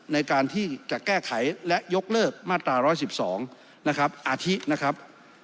ในการที่จะแก้ไขและยกเลิกมาตรา๑๑๒นะครับอาทินะครับ